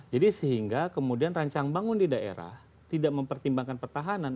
jadi sehingga kemudian rancang bangun di daerah tidak mempertimbangkan pertahanan